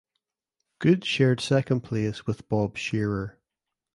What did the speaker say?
Good shared second place with Bob Shearer.